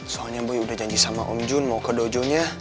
soalnya bu udah janji sama om jun mau ke dojo nya